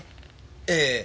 ええ。